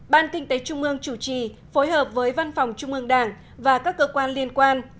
ban kinh tế trung ương chủ trì phối hợp với văn phòng trung ương đảng và các cơ quan liên quan